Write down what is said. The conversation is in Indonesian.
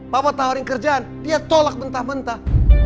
papa tawarin kerjaan dia tolak mentah mentah